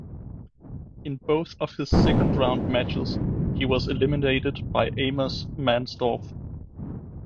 In both of his second round matches he was eliminated by Amos Mansdorf.